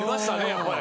やっぱり。